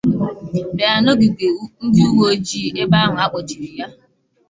bịara n'ogige ndị uwe ojii ebe ahụ a kpọchiri ha